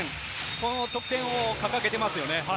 この得点を掲げていますね。